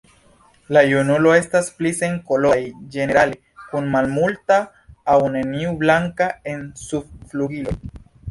La junulo estas pli senkoloraj ĝenerale, kun malmulta aŭ neniu blanka en subflugiloj.